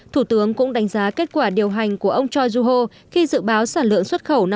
thủ tướng cũng đánh giá kết quả điều hành của ông choi joo ho khi dự báo sản lượng xuất khẩu